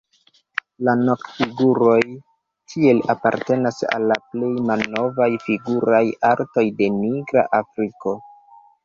La Nok-figuroj tiel apartenas al la plej malnovaj figuraj artoj de Nigra Afriko.